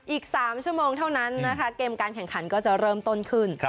อีก๓ชั่วโมงเท่านั้นนะคะเกมการแข่งขันก็จะเริ่มต้นขึ้น